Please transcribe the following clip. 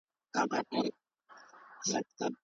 موږ اوس په یو نړیوال کلي کې ژوند کوو.